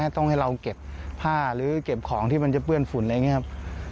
ต้องให้เราเก็บผ้าหรือเก็บของที่มันจะเปื้อนฝุ่นอะไรอย่างนี้ครับ